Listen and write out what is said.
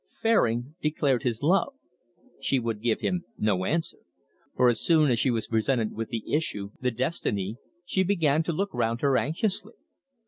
Fairing declared his love. She would give him no answer. For as soon as she was presented with the issue, the destiny, she began to look round her anxiously.